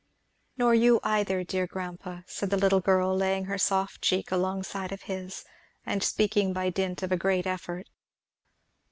"Nor you either, dear grandpa," said the little girl, laying her soft cheek alongside of his, and speaking by dint of a great effort.